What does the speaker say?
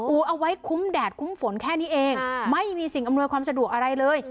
เอาไว้คุ้มแดดคุ้มฝนแค่นี้เองไม่มีสิ่งอำนวยความสะดวกอะไรเลย